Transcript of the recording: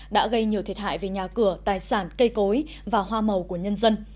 đã gây nhiều thiệt hại về nhà cửa tài sản cây cối và hoa màu của nhân dân